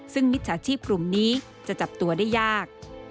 ซึ่งมิจฉาชีพกลุ่มนี้จะจับตัวได้ยาก